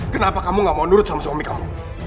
kenapa kamu gak mau nurut sama suami kamu